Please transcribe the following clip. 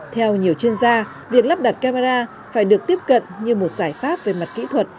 theo nhiều chuyên gia việc lắp đặt camera phải được tiếp cận như một giải pháp về mặt kỹ thuật